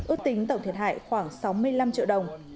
ước tính tổng thiệt hại khoảng sáu mươi năm triệu đồng